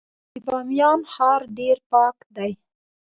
د بامیان ښار ډیر پاک دی